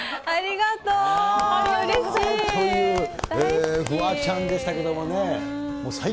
ありがとう。